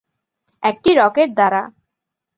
একটি রকেট দ্বারা।